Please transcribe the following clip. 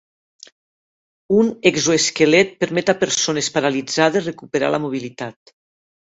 Un exoesquelet permet a persones paralitzades recuperar la mobilitat.